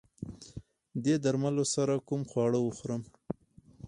دې درملو سره کوم خواړه وخورم؟